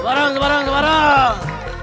semarang semarang semarang